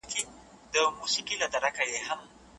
پخوانۍ نظريې د څېړنو په وسيله رد سوې.